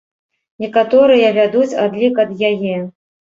Некаторыя вядуць адлік ад яе.